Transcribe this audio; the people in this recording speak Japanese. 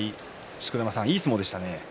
錣山さん、いい相撲でしたね。